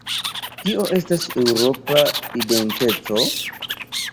Kio estas Eŭropa identeco?